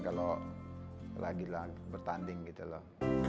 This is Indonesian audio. kalau lagi bertanding gitu loh